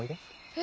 え？